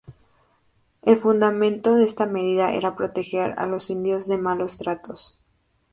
El fundamento de esta medida era proteger a los indios de malos tratos.